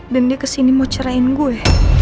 dan dia kesini mau cerain gue